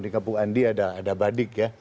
di kampung andi ada badik ya